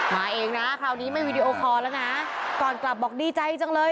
มาเองนะคราวนี้ไม่วีดีโอคอร์แล้วนะก่อนกลับบอกดีใจจังเลย